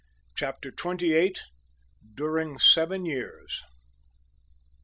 CHAPTER TWENTY EIGHT. DURING SEVEN YEARS.